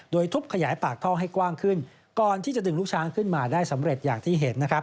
โดยทุบขยายปากท่อให้กว้างขึ้นก่อนที่จะดึงลูกช้างขึ้นมาได้สำเร็จอย่างที่เห็นนะครับ